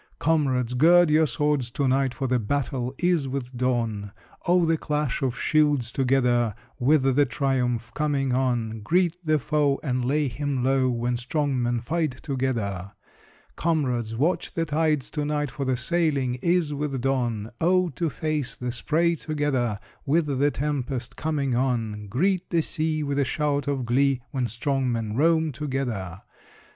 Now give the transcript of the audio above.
Comrades, gird your swords to night, For the battle is with dawn! Oh, the clash of shields together, With the triumph coming on! Greet the foe, And lay him low, When strong men fight together! Comrades, watch the tides to night, For the sailing is with dawn! Oh, to face the spray together, With the tempest coming on! Greet the sea With a shout of glee, When strong men roam together!